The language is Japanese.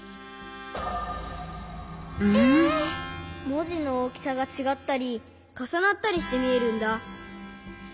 もじのおおきさがちがったりかさなったりしてみえるんだ。